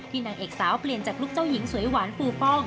นางเอกสาวเปลี่ยนจากลูกเจ้าหญิงสวยหวานปูป้อง